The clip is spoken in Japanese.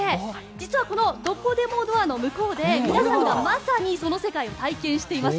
実は、このどこでもドアの向こう側で皆さんがまさにその世界を体験しています。